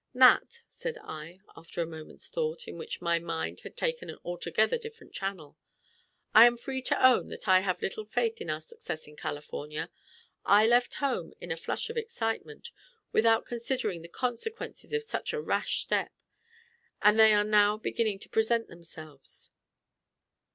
"Nat," said I, after a moment's thought, in which my mind had taken an altogether different channel, "I am free to own that I have little faith in our success in California. I left home in a flush of excitement, without considering the consequences of such a rash step, and they are now beginning to present themselves.